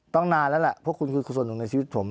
ตั้งนานแล้วแหละพวกคุณคือส่วนหนึ่งในชีวิตผม